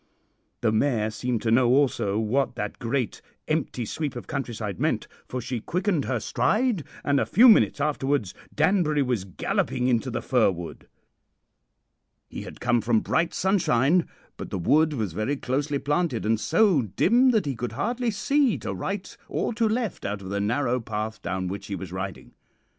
The mare seemed to know also what that great empty sweep of countryside meant, for she quickened her stride, and a few minutes afterwards Danbury was galloping into the fir wood. "He had come from bright sunshine, but the wood was very closely planted, and so dim that he could hardly see to right or to left out of the narrow path down which he was riding.